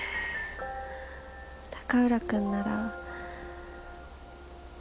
高浦君なら。